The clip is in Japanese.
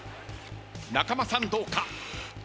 仲間さんどうか？